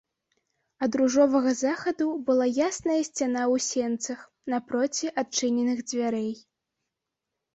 Ад ружовага захаду была ясная сцяна ў сенцах, напроці адчыненых дзвярэй.